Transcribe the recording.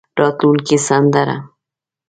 راتلونکې سندره.